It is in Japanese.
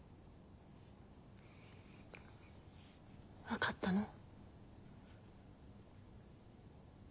分かったの？